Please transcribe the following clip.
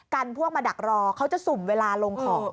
พวกมาดักรอเขาจะสุ่มเวลาลงของ